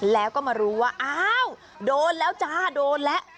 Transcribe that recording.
แล้วก็มารู้ว่าอ้าวโดนแล้วจ้าโดนแล้ว